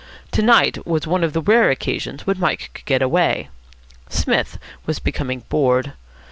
To night was one of the rare occasions when Mike could get away. Psmith was becoming bored.